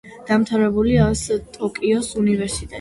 დამთავრებული აქვს ტოკიოს უნივერსიტეტი.